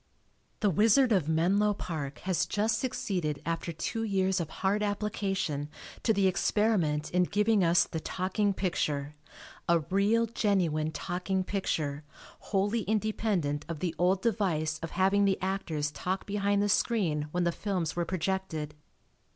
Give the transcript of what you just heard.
The Wizard of Menlo Park has just succeeded after two years of hard application to the experiment in giving us the talking picture, a real genuine talking picture, wholly independent of the old device of having the actors talk behind the screen when the films were projected.